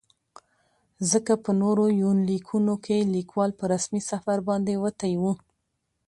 ځکه په نورو يونليکونو کې ليکوال په رسمي سفر باندې وتى و.